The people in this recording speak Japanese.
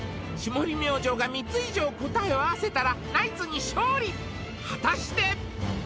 霜降り明星が３つ以上答えを合わせたらナイツに勝利果たして